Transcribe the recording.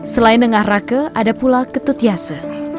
selain dengar raka ada pula ketutiasa